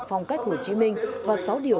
phong cách hồ chí minh và sáu điều